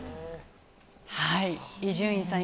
伊集院さん